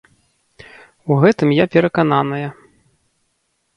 У гэтым я перакананая.